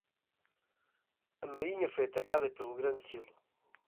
A marinha foi atacada pelo grande silo.